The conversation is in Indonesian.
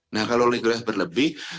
nah kalau likuiditas berlebih